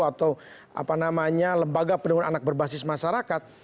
atau apa namanya lembaga perlindungan anak berbasis masyarakat